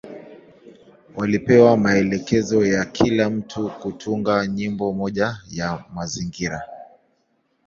Walipewa maelekezo ya kila mtu kutunga nyimbo moja ya mazingira.